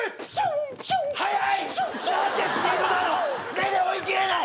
目で追いきれない！